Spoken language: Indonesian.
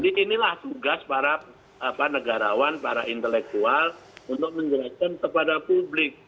jadi inilah tugas para negarawan para intelektual untuk menjelaskan kepada publik